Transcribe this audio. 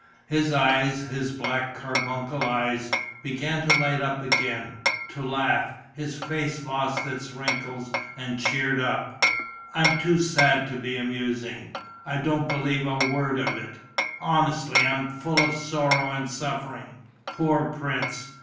His eyes, his black carbuncle eyes, began to light up again, to laugh; his face lost its wrinkles and cheered up. "I am too sad to be amusing." "I don't believe a word of it." "Honestly, I am full of sorrow and suffering...." "Poor prince!"